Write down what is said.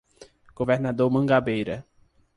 Governador Mangabeira